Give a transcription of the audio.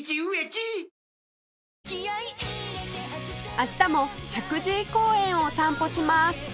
明日も石神井公園を散歩します